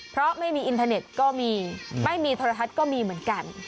เพราะไม่มีอินเทอร์เน็ตก็มีไม่มีโทรทัศน์ก็มีเหมือนกัน